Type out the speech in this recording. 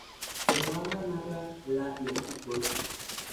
En la Band narra la y el fútbol.